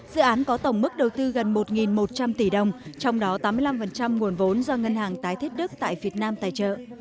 dự án có tổng mức đầu tư gần một một trăm linh tỷ đồng trong đó tám mươi năm nguồn vốn do ngân hàng tái thiết đức tại việt nam tài trợ